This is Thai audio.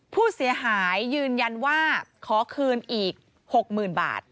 ผู้เสียหายยืนยันว่าขอคืนอีก๖๐๐๐บาท